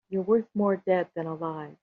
You're worth more dead than alive.